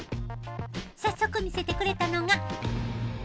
早速見せてくれたのが。